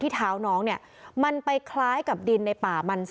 แม่น้องชมพู่แม่น้องชมพู่